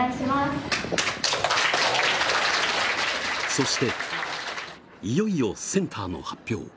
そして、いよいよセンターの発表。